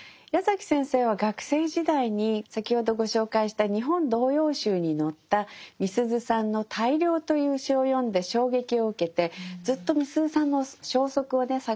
矢崎先生は学生時代に先ほどご紹介した「日本童謡集」に載ったみすゞさんの「大漁」という詩を読んで衝撃を受けてずっとみすゞさんの消息をね